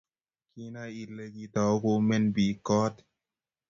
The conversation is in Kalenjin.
kianai ile kiitou kumen biik koot